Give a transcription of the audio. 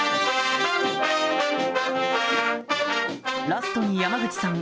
ラストに山口さん